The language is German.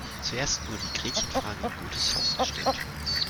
Zuerst wurde die Gretchenfrage in Goethes Faust gestellt.